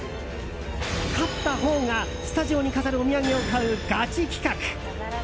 勝ったほうがスタジオに飾るお土産を買うガチ企画。